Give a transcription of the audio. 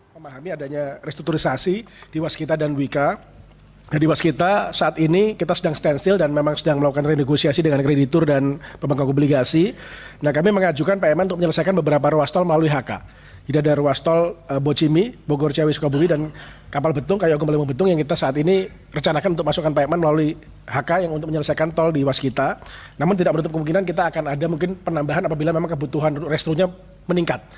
pak menteri bumn kartika wirjoatmojo menyebut renegosiasi dengan kreditur dan tambahan dana pmn menjadi salah satu solusi tumpukan utang ratusan triliun rupiah